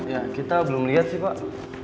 ya kita belum lihat sih pak